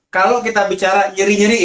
kalau kita bicara nyeri nyeri